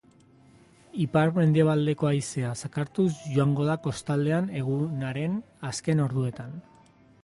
Ipar-mendebaldeko haizea zakartuz joango da kostaldean egunaren azken orduetan.